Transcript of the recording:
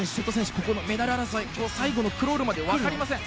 ここのメダル争い最後のクロールまでわかりません。